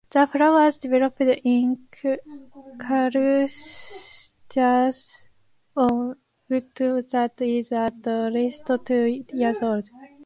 The flowers develop in clusters on wood that is at least two years old.